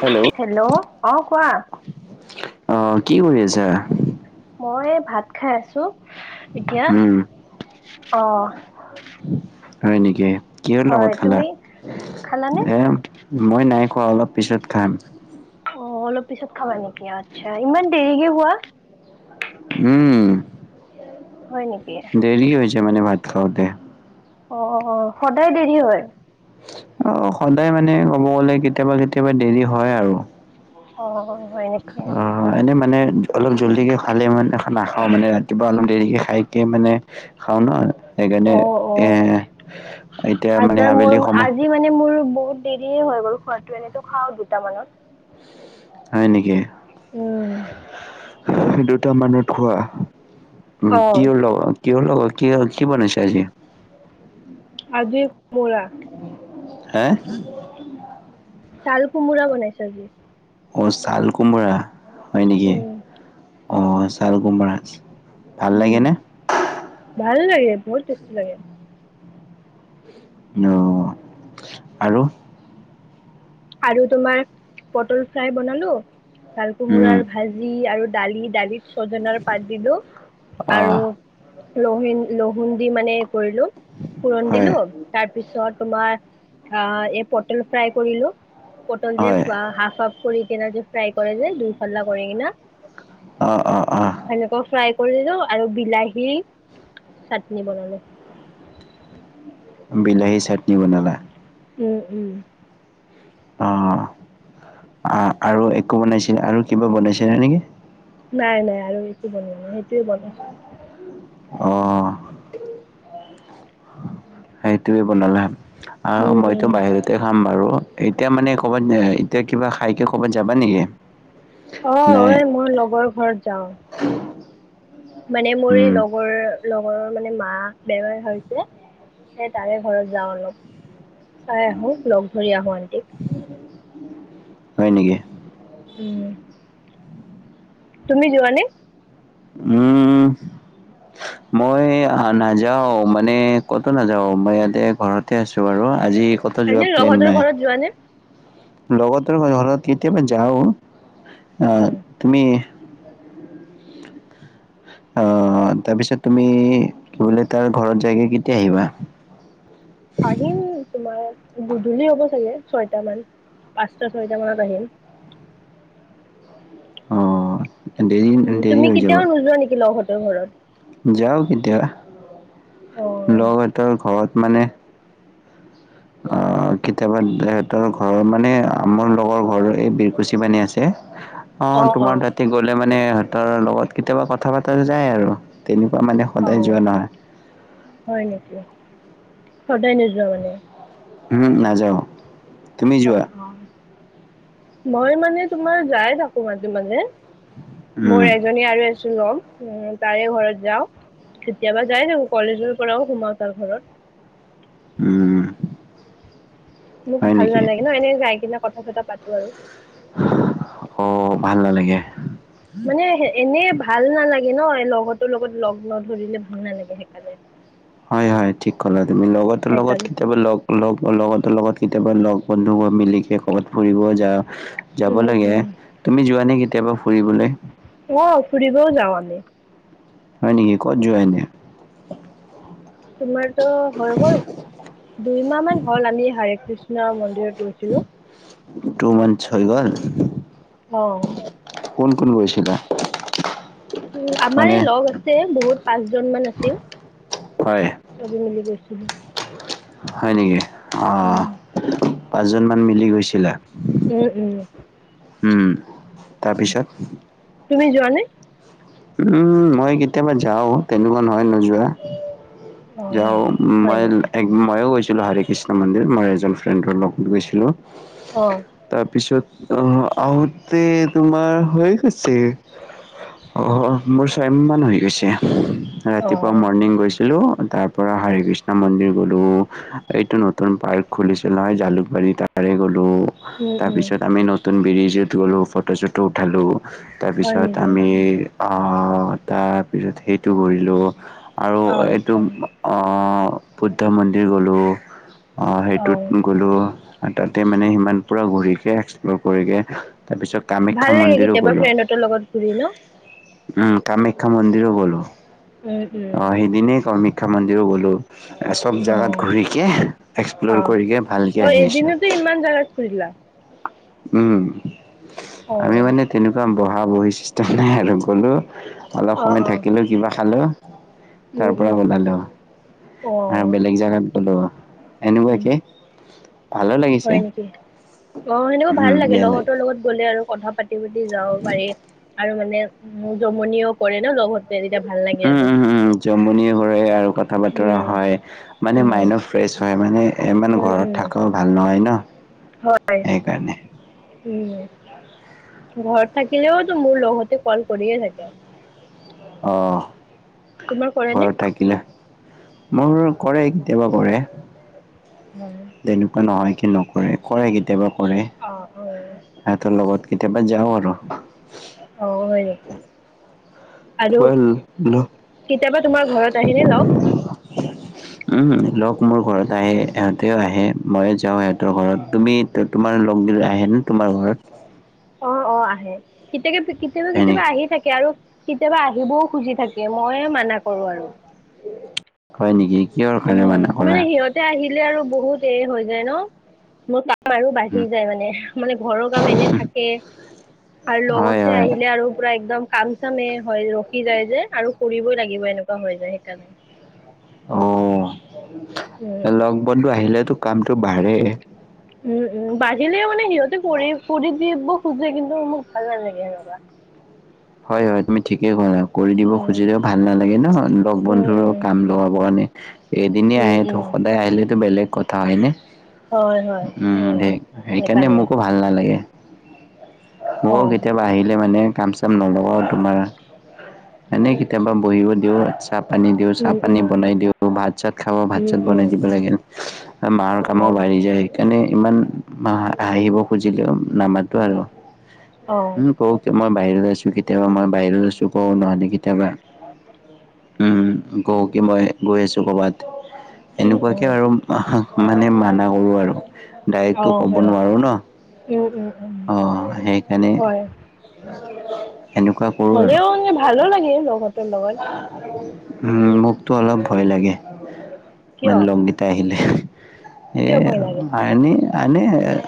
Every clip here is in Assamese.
হেল্ল' হেল্ল', অ' কোৱা? অঁ কি কৰি আছা? মই ভাত খাই আছো এতিয়া, উম, অঁ। হয় নেকি, কিহৰ হয় লগত খালা? তুমি খালানে এ মই নাই খোৱা অলপ পিছত খাম। অঁ, অলপ পিছত খাবা নেকি আচ্ছা, ইমান দেৰিকে খোৱা। উম। হয় নেকি, দেৰি হৈছে মানে ভাত খাওঁতে। অ' অ' সদায় দেৰি হয়? অঁ, সদায় মানে ক'ব গ'লে কেতিয়াবা কেতিয়াবা দেৰি হয় আৰু। অঁ, হয় নেকি। অঁ। এনে মানে অলপ জল্দিকে খালে মানে নাখাওঁ মানে ৰাতিপুৱা অলপ দেৰিকে খাইকে মানে- খাওঁ ন সেইকাৰণে অ অ এ এতিয়া মানে আজাৰ মোৰ আবেলি সময়- আজি মানে মোৰ বহুত দেৰিয়েই হৈ গ'ল খোৱাটো এনেতো খাওঁ দুটামানত। হয় নেকি। উম। দুটা মানত খোৱা, অ উমঁ' কিহৰ লগত? কিহৰ লগত, কি বনাইছা আজি? আজি [unintelligible] হেহ? ছাল কোমোৰা বনাইছোঁ আজি। অঁ ছাল কোমৰা, হয় নেকি উম অঁ ছাল কোমৰা। উম। ভাল লাগে বহুত টেষ্টি লাগে। অঁ, আৰু। আৰু তোমাৰ পটল ফ্ৰাই বনালো, ছাল উম কোমোৰাৰ ভা- ভাজি আৰু দালি, দালিত ছজাৰ পাত দিলো অ আৰু- লহেন, লহুন দি মানে এই কৰিলো ফোৰণ হয় দিলো- তাৰ পিছত তোমাৰ আহ' এই পটল ফ্ৰাই কৰিলোঁ। পটল যে হয় হাফ-হাফ কৰি কেনে যে ফ্ৰাই কৰে যে দুইফাল্লা কৰি কিনা। অঁ অঁ অঁ। সেনেকৈ ফ্ৰাই কৰিলো আৰু বিলাহী চাটনি বনালো। বিলাহী চাটনি বনালা। উমঁ উমঁ। আ আৰু একো বনাইছিল আৰু কিবা বনাইছিলা নেকি? নাই নাই আৰু একো বনোৱা নাই সেইটোৱে বনাইছোঁ। অ সেইটোয়ে বনালা আৰু উম মইতো উম বাহিৰত- তে খাম বাৰু, এতিয়া মানে ক'ৰবাত এতিয়া কিবা খাইকে ক'ৰবাত যাবা নেকি? অঁ, নাই এই মোৰ লগৰ ঘৰত যাওঁ। মানে মোৰ এই উম লগৰ লগৰৰ মানে মা বেমাৰ হৈছে। সেই তাৰে ঘৰত যাওঁ অলপ চাই আহো লগ ধৰি আহো আনটিক। হয় নেকি উ তুমি যোৱা নে উম এ আ নাযাও মানে ক'তো নাযাও মই ইয়াতে ঘৰতে আছো আৰু আজি কটো যোৱা এনে প্লেন লগহঁতৰ নাই ঘৰত যোৱানে? লগতোৰ ঘৰ ঘৰত কেতিয়াবা যাও আহ উম তুমি অ তাৰপিছত তুমি কি বোলে তাৰ ঘৰত যায়কে কেতিয়া আহিবা আহিম তোমাৰ গোধূলি হ'ব চাগে ছয়টা মান পাঁচটা ছয়টা মানত আহিম অ দেৰি উ দেৰি তুমি হৈ যাব। কেতিয়াও নোযোৱা নেকি লগঁঁহতৰ ঘৰত যাওঁ কেতিয়াবা অ লগহতৰ ঘৰত মানে আ কেতিয়াবা দে এহেতৰ ঘৰ মানে আমাৰ লগৰ ঘৰ এই বিৰকুচি পানী আছে অ তোমাৰ তাতে গলে মানে এহেতৰ লগত কেতিয়াবা কথা পতা যায় আৰু তেনুকুৱা মানে সদায় অ যোৱা নহয় হয় নেকি সদায় নোযোৱা মানে উম নাযাও অ অ মই মানে তোমাৰ যাই থাকো মাজে মাজে উম, মোৰ এজনী আৰু এজ চুৰম উম তাৰে ঘৰত যাওঁ কেতিয়াবা যাই থাকো কলেজৰ পৰাও সোমাও তাৰ ঘৰত উম মোক হয় ভাল নেকি? নালাগে ন এনে যাইকেনে কথা চথা পাতো আৰু অ ভাল নালাগে মানেহ এনেই ভাল নালাগে ন লগহতৰ লগত লগ নধৰিলে ভাল নালাগে খা জাই হয় হয় ঠিক ক'লা তুমি লগতৰ লগত সেইকাৰণে কেতিয়াবা লগ লগ লগতো লগত কেতিয়াবা লগ বন্ধু মিলি কে কৰবাত ফুৰিব যা যাব উম লাগে উম তুমি যোৱা নে কেতিয়াবা ফুৰিবলে অ ফুৰিবও যাওঁ আমি হয় নেকি ক'ত যোৱা এনে তোমাৰতো হৈ গ'ল দুইমাহ মান হ'ল আমি হাৰে কৃষ্ণ মন্দিৰত গৈছিলো টু মানচ হৈ গল অ কোন কোন গৈছিলা উম আমাৰ মানে এই লগ আছে বহুত পাঁচ জন মান আছিল হয়, চবে মিলি গৈছিলো হয় নেকি অহ উম পাঁচজন মান মিলি গৈছিলা উম উম উম তাৰপিছত তুমি যোৱা নে উম মই কেতিয়াবা যাও তেনেকুৱা নহয় ন যোৱা অ যাও হয় মই নেকি এক ময়ো গৈছিলো হাৰে কৃষ্ণ মন্দিৰ মই এজন ফ্ৰেণ্ডৰ লগত গৈছিলো অ [inaudible] তাৰপিছত আহ আহোতে তোমাৰ হৈ গৈছে অহ অ মোৰ ছয়মান হৈ গৈছে অ ৰাতিপুৱা মৰ্ণিং গৈছিলো তাৰ পৰা হাৰি কৃষ্ণ মন্দিৰ গলোঁ। এইটো নতুন পাৰ্ক খুলিছিল নহয় জালুকবাৰী তাৰে গ'লো। উম তাৰ উম পিছত আমি নত- তুন বিৰিজত গ'লোঁ ফটো চটো উঠালোঁ হয় তাৰপিছত নেকি আমি অ তাৰপিছত সেইটো কৰিলো আৰু অঁ এইটো আচ্ছা অ বুদ্ধ মন্দিৰ গ'লো অ অঁ সেইটোত গ'লোঁ তাতে মানে সিমান পূৰা ঘূৰিকৈ এক্সপ্ল'ৰ কৰিকে তাৰপিছত কামাখ্যা ভাল লাগে মন্দিৰো কেতিয়াবা গ'লো। ফ্ৰেণ্ডহেতৰ লগত ঘুৰি ন উম কামাখ্যা মন্দিৰো গ'লো, অ অঁ সেইদিনেই কামাখ্যা মন্দিৰো গ'লো। চব জাগাত ঘুৰিকে এক্সপ্লৰ কৰিকে ভালকে আহিছো। কিমান জাগাত ফুৰিলা? উম অঁ আমি মানে তেনেকুৱা বহা বহি চিষ্টেম নাই আৰু গলো অলপ অঁ সময় অঁ থাকিলো, কিবা খালো তাৰ পৰা ওলালো। অঁ আৰু বেলেগ জাগাত গ'লো এনেকুৱাকে ভালো লাগিছে হয় নেকি অ সেনেকুৱা ভাল উম, লাগে ইয়ালে লগহতৰ লগত গ'লে আৰু কথা পাত- তি পাতি যাব পাৰি আৰু মানে উ জমনিও কৰে ন লগহত তে এতিয়া ভাল লাগ উম উম উম উম জমনি হৰে আৰু কথা বতৰা উম, হয় মানে উম। মাইণ্ডনো ফ্ৰেছ হয় মানে এ মান উম, ঘৰত উম। থাকাও ভাল নহয় ন হয়। সেইকাৰণে। উম ঘৰত থাকিলেওতো মোৰ লগহতে কল কৰিয়ে থাকে। অ। তোমাৰ কৰেনে? কিলা, মোৰ কৰে কেতিয়াবা কৰে। মানে দেনেকুৱা নহয় কি নকৰে কৰে কেতিয়াবা কৰে। অ অ। সেতৰ লগত কেতিয়াবা যাও আৰু। অ হয় নেকি? আৰু কেতিয়াবা তোমাৰ ঘৰত আহিলে লগ [inaudible] উম লগ মোৰ ঘৰত আহে ইহঁতেও আহে মই যাওঁ হেতৰ ঘৰত তুমি ত তোমাৰ লগ দিলে আহেনে তোমাৰ ঘৰত? অ অ আহে কেতিয়াবা কেতিয়াবা হয়নি কেতিয়াবা আহি থাকে আৰু কেতিয়াবা আহিবও খুজি থাকে মই মানা কৰো আৰু। হয় নেকি কিহৰ কাৰণে মানা কৰা? তে আহিলে আৰু বহুত এ হৈ যায় ন। মই পা- বাৰু বাঢ়ি উম, যায় মানে মানে ঘৰৰ কাম এনে থাকে আৰু লগতে হয় তে হয় আহিলে আৰু পুৰা একদম কাম চামে হয় ৰখি যায় যে আৰু কৰিবই লাগিব এনেকুৱা হৈ যায় সেইকাৰণে। অ উম। লগ বন্ধু আহিলেতো কামটো বাঢ়ে। উম উম বাঢ়িলে মান সিহঁতে কৰি কৰি দিব খুজে কিন্তু মোক ভাল নালাগে সেনেকুৱা। হয় হয় তুমি ঠিকেই ক'লা, কৰি দিব উম। খুজিলেও ভাল নালাগে ন লগ উম, বন্ধুৰ উম, কাম লগাব কাৰণে। এদিনে উম, আহেত উম, সদায় আহিলেতো বেলেগ কথা হয় নে? উম সেই সেইকাৰণে মোকো ভা- ভাল নালাগে মও অ', কেতিয়াবা আহিলে মানে কাম চা- একদম নলগাওঁ ৱে আৰু তোমাৰ এনেই কেতিয়াবা বহিবও দিওঁ চাপ পানী দিও চাহ উম, পানী উম, বনাই দিও ভাত চাত খাব ভাত উম, চাত উম, বনাই দিব লাগিল মাহ কামো অ', বাঢ়ি যায় সেইকাৰণে ইমান মা হাহিব খুজিলেও নামাত টো আৰু অ', ওম কওক মই বাহিৰত আছো কেতিয়াবা মই বাহিৰত আছো কওঁ নহলে কেতিয়াবা উম কওঁ কি মই গৈ আছোঁ ক'ৰবাত উম, এনেকুৱাকে উম, আৰু মানে মানা কৰো আৰু ডাইৰেক্টটো অ', ক'ব হয়, নোৱাৰোঁ ন উম, উম, উম, অঁ সেইকাৰণে হয়, এনেকুৱা কৰোঁ আৰু হ'লেও মানে ভালো লাগে লগতে লগত উম মোকতো অলপ ভয় লাগে কিয়, মানে লংগীতা আহিলে এ কিয় ভয় লাগে? আইনি আইনে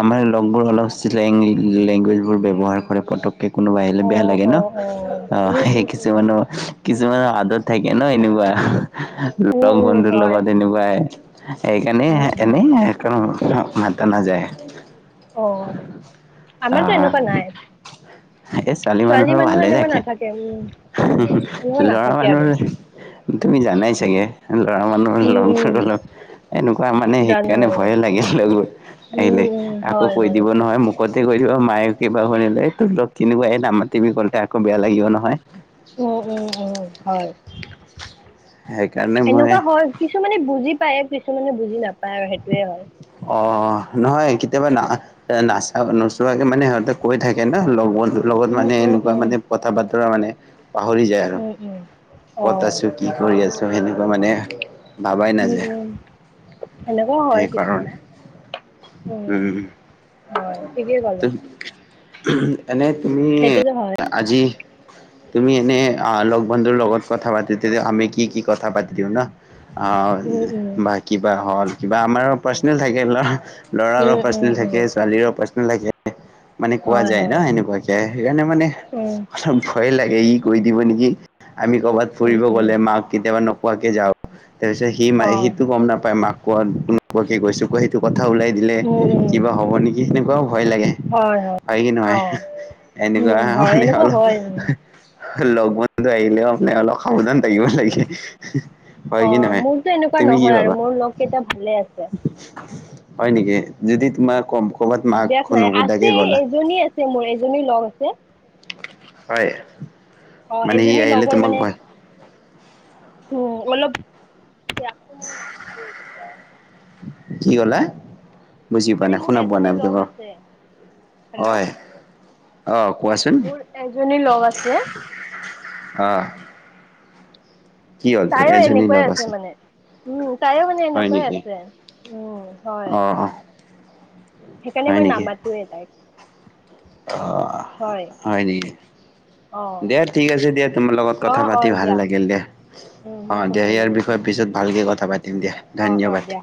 আমাৰ লগবোৰ অলপ [unintelligible] লেংগুৱেজবোৰ ব্যৱহাৰ কৰে পটক কোনোবা আহিলে বেয়া অ', লাগে ন অ', অ উম, সেই উম, উম, কিছুমানৰ কিছুমানৰ আদত থাকে ন এনেকুৱা উম, লগ উম, বন্ধুৰ হয়, লগত এনেকুৱাই সেইকাৰণে উম, উম, এনেই নাই কাৰণ মাতা নাযায় অ আমাৰতো অ' এনেকুৱা নাই এই ছোৱালী মানুহৰো মানুহৰ ভালে এনেকুৱা থাকে নাথাকে, উম, উম, এনেকুৱা লৰা নাথাকে মানুহ আৰু তুমি জানাই চাগে লৰা মানুহ উম, লগবোৰ উম, অলপ এনেকুৱা মানে জানো, সেইকাৰণে জানো, ভয়ে লাগিল লগৰ উম, আহিলে উম, আকৌ হয়, কৈ হয়। দিব নহয় মোক আগতে কৈ দিব মায়ে কিবা শুনিলে তোক কিনেকুৱা এই নাম মাতিবি ক'লেতে আকৌ বেয়া লাগিব নহয় উ উম উম হয় [inaudible] সেইকাৰণে মই এনেকুৱা হয় কিছুমানে বুজি পায় কিছুমানে বুজি নাপায় আৰু সেইটোয়ে হয় অ নহয় কেতিয়াবা না এ নাচা নোচোৱাকে মানে সিহঁতে কৈ থাকে ন লগ লগত উম, মানে উম, এনেকুৱা উম, মানে কথা বতৰা মানে পাহৰি যায় আৰু উম, উম। কত অ', আছো কি কৰি আছো সেনেকুৱা মানে ভাবাই উম, নাযায় উম, সেনেকুৱাও হয় সেইকাৰণে কেতিয়াবা উম, হয় ঠিকেই ক'লা উম উমএনে তুমি সেইটোতো হয়। আজি তুমি এনে লগ বন্ধুৰ লগত কথা পাতি তে আমি কি কি কথা পাতি দিওঁ ন অ উম, উম, বা কিবা হল কিবা আমাৰ পাৰ্চনেল থাকিল ল'ৰাৰো উম, উম, প্ৰৰচেনেল উম, থাকে ছোৱালীৰো প্ৰৰচেনেল থাকে মানে কোৱা হয়, যায় ন হয়। এনেকুৱাকে সেইকাৰণে মানে উম, অলপ ভয় লাগে ই কৈ দিব নেকি আমি ক'ৰবাত উম, ফুৰিব উম, গ'লে মাক কেতিয়াবা নোকোৱাকে যাও তাৰপিছত সি অ', সিটো গম নাপায় মাক কোৱা ক তোমাকে কৈছো ক সেইটো কথা ওলাই দিলে উম, উম, কিবা হ'ব নেকি সেনেকুৱাও ভয় লাগে হয় কি নহয় অ', এনেকুৱা উম, হয় মানে এনেকুৱা অলপ হয় উম। লগ বন্ধু আহিলেও আপোনি অলপ সাৱধান থাকিব লাগে হয় অ কি নহয়? মোৰতো এনেকুৱা তুমি কি নহয় ভাবা? আৰু মোৰ লগ কেইটা ভালে আছে হয় নেকি যদি তোমাৰ কৰবাত মাক নুশুদাকে গ'লা ছে মোৰ এজনী লগ আছে হয় অ মানে হি এজনী আহিলে লগৰ তোমাক মানে ভয় উম অলপ বিয়াকো মই নামাতেয়েই কেতিয়াও কি কলা বুজি পোৱা মানে নাই মোৰ শুনা পোৱা এজনী নাই লগ আছে [unintelligible] হেল্ল' হয় অ কোৱাচোন মোৰ এজনী লগ আছে আ তোৰ তাইও এজনী এনেকুৱাই লগ আছে মানে উম তাইও মানে হয় এনেকুৱাই নেকি? আছে উম হয় অ' অ' সেইকাণে হয় মই নেকি? নামাটোৱে তাইক অ হয় নেকি অ দিয়া ঠিক আছে দিয়া তোমাৰ লগত অ কথা অ পাতি ভাল দিয়া লাগিল দে উম অ মোকো দিয়া ভাল ইয়াৰ লাগিল বিষয়ে দিয়া পিছত ভালকে কথা পাতিম দিয়া অ অ ধন্যবাদ। দিয়া